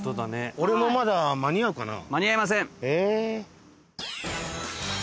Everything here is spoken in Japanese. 俺もまだ間に合うかな？